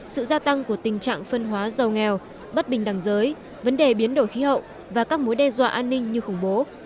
sự gia tăng của tình trạng phân hóa giàu nghèo bất bình đẳng giới vấn đề biến đổi khí hậu và các mối đe dọa an ninh như khủng bố